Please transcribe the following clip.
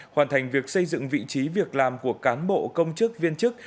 hoàn thành việc xây dựng vị trí việc làm của cán bộ công chức viên chức